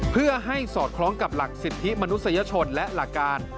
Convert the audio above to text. เพื่อให้สอดคล้องกับหลักสิทธิมนุษยชนและหลักการ